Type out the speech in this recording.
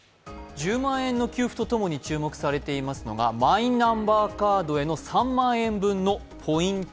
１０万円の給付とともに注目されていますのはマイナンバーカードへの３万円分のポイント